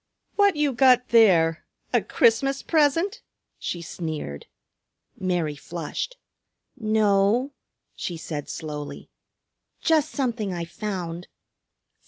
"What you got there? A Christmas present?" she sneered. Mary flushed. "No," she said slowly, "just something I found."